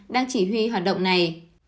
đang chỉ huy hoạt động này